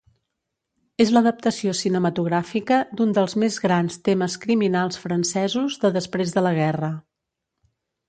És l'adaptació cinematogràfica d'un dels més grans temes criminals francesos de després de la guerra.